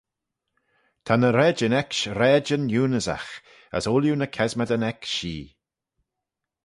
Ta ny raaidyn ecksh raaidyn eunyssagh as ooilley ny kesmadyn eck shee.